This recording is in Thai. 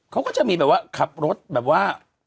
เขาก็จะมีแบบว่าขับรถแบบว่า